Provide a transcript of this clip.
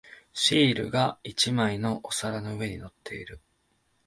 シールが一枚お皿の上に乗っている。